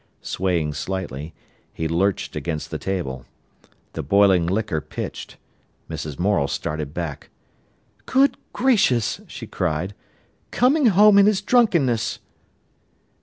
Swaying slightly, he lurched against the table. The boiling liquor pitched. Mrs. Morel started back. "Good gracious," she cried, "coming home in his drunkenness!"